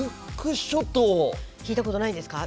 聞いたことないですか？